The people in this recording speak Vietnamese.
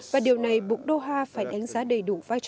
và điều này bụng doha phải đánh giá đầy đủ vai trò trung gian của mình